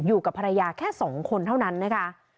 อยู่กับภรรยาแค่๒คนเท่านั้นนะคะ